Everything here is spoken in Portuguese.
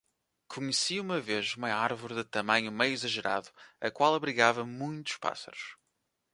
Conheci uma vez uma árvore de tamanho meio exagerado, a qual abrigava muitos pássaros.